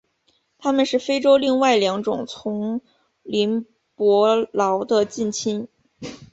它们是非洲另外两种丛林伯劳的近亲。